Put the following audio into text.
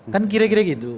kan kira kira gitu